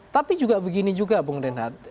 tapi juga begini juga bung reinhardt